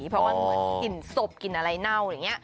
เพราะมันเหมือนกลิ่นศพกลิ่นอะไรเน่าอย่างนี้